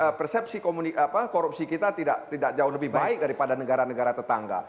karena persepsi korupsi kita tidak jauh lebih baik daripada negara negara tetangga